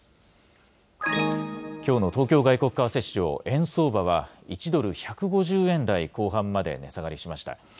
きょうの東京外国為替市場、円相場は、１ドル１５０円台後半まで値下がりしました。